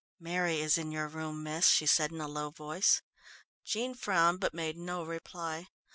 "Mary is in your room, miss," she said in a low voice. Jean frowned but made no reply.